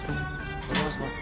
お邪魔します。